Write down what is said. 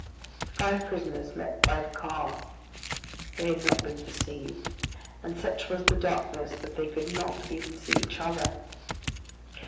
The five prisoners met by the car. They had not been perceived, and such was the darkness that they could not even see each other.